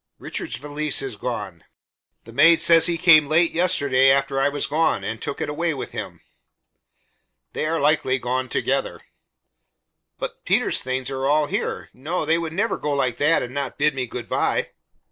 "Richard's valise is gone. The maid says he came late yesterday after I was gone, and took it away with him." "They are likely gone together." "But Peter's things are all here. No, they would never go like that and not bid me good by."